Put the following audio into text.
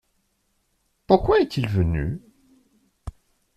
Pourquoi est-il venu ?